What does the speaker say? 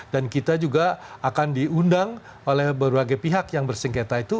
dan kita juga akan diundang oleh berbagai pihak yang bersingketa itu